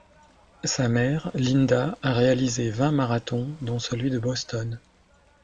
Sa mère Linda a réalisé vingt marathons dont celui de Boston.